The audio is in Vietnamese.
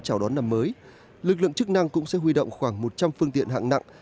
chào đón năm mới lực lượng chức năng cũng sẽ huy động khoảng một trăm linh phương tiện hạng nặng